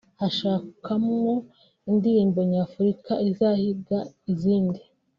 hashakwamo indirimbo nyafurika izahiga izindi